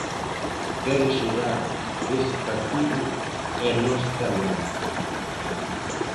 Quere xogar ese partido e nós tamén.